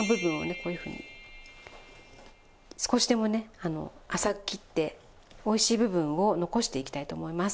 こういうふうに少しでもね浅く切っておいしい部分を残していきたいと思います。